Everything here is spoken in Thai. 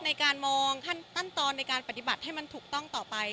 ในการมองขั้นตอนในการปฏิบัติให้มันถูกต้องต่อไป